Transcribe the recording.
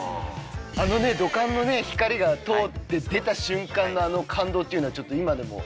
あのね土管の光が通って出た瞬間の感動っていうのはちょっと今でも。